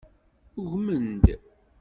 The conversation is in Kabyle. Ugmen-d.